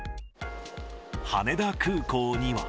羽田空港には。